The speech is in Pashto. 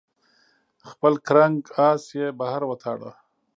خپل کرنګ آس یې بهر وتاړه.